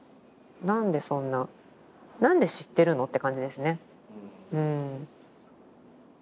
何でそんな何で知ってるの？って感じですね。